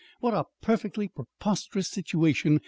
What a perfectly preposterous situation!"